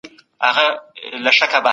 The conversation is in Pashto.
د اوبو سرچينو سره تړلي صنايع څه وي؟